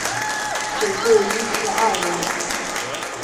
主薄一至二人。